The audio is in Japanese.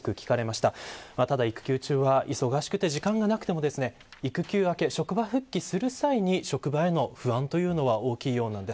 ただ育休中は忙しくて時間がなくて育休明け、職場復帰する際に職場への不安というのは大きいようなんです。